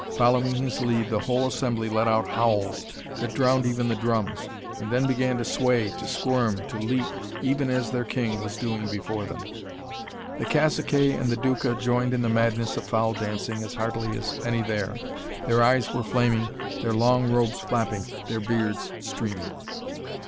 Following his lead, the whole assembly let out howls that drowned even the drums, and then began to sway, to squirm, to leap, even as their king was doing before them. The caciques and the Duca joined in the madness of foul dancing as heartily as any there. Their eyes were flaming, their long robes flapping, their beards streaming.